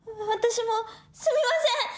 わ私もすみません！